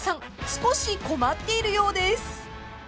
少し困っているようです］